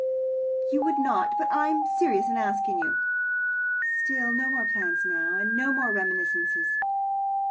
"You would not, but I am serious in asking you." "Still, no more plans now. And no more reminiscences."